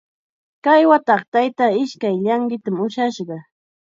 Kay wataqa taytaa ishkay llanqitam ushashqa.